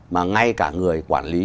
mà ngay cả người quản lý